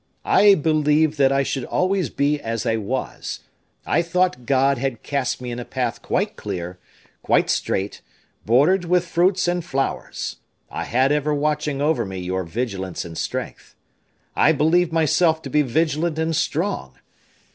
I believed that I should always be as I was; I thought God had cast me in a path quite clear, quite straight, bordered with fruits and flowers. I had ever watching over me your vigilance and strength. I believed myself to be vigilant and strong.